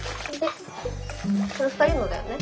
これ２人のだよね？